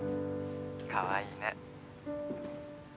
かわいいね。